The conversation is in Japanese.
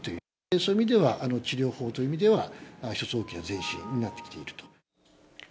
そういう意味では、治療法という意味では、一つ大きな前進になってきていると。